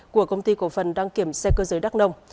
của công ty cổ phần đăng kiểm xe cơ giới đắc nông